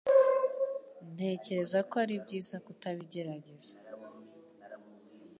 Ntekereza ko ari byiza kutabigerageza